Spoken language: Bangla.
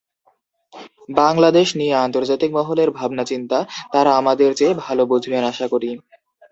বাংলাদেশ নিয়ে আন্তর্জাতিক মহলের ভাবনাচিন্তা তাঁরা আমাদের চেয়ে ভালো বুঝবেন আশা করি।